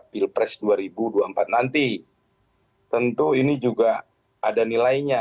pilpres dua ribu dua puluh empat nanti tentu ini juga ada nilainya